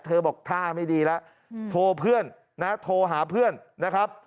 บอกท่าไม่ดีแล้วโทรเพื่อนนะโทรหาเพื่อนนะครับ